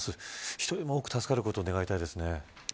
１人でも多く助かることを願いたいですね。